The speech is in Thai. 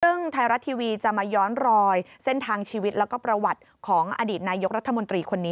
ซึ่งไทยรัฐทีวีจะมาย้อนรอยเส้นทางชีวิตแล้วก็ประวัติของอดีตนายกรัฐมนตรีคนนี้